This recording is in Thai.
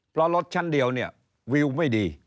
เพราะรถชั้นเดียวเนี่ยวิวไม่ดี